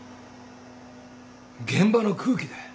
現場の空気だ。